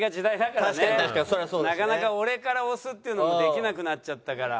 なかなか俺から押すっていうのもできなくなっちゃったから。